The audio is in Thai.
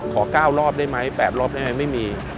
ขอก้าวรอบได้ไหมแปบรอบได้ไหมไม่มี